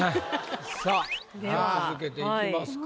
さぁでは続けていきますか。